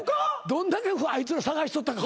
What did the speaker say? どんだけあいつら捜しとったか。